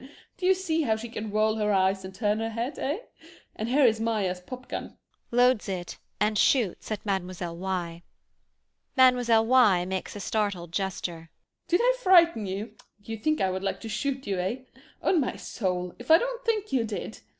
Do you see how she can roll her eyes and turn her head, eh? And here is Maja's popgun. [Loads it and shoots at Mlle. Y.] MLLE. Y. [Makes a startled gesture.] MME. X. Did I frighten you? Do you think I would like to shoot you, eh? On my soul, if I don't think you did!